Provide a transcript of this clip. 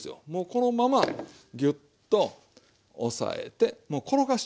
このままぎゅっと押さえてもう転がしていく。